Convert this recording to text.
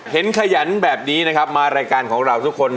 ขยันแบบนี้นะครับมารายการของเราทุกคน